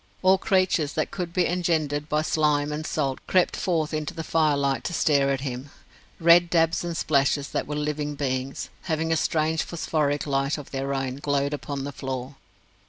All creatures that could be engendered by slime and salt crept forth into the firelight to stare at him. Red dabs and splashes that were living beings, having a strange phosphoric light of their own, glowed upon the floor.